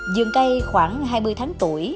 dừng cây khoảng hai mươi tháng tuổi